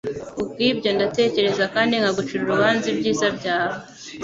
Kubwibyo ndatekereza kandi nkagucira urubanza ibyiza byawe